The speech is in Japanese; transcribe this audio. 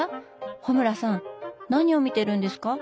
穂村さん何を見ているんですか？